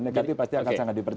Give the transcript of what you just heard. negatif pasti akan sangat dipercaya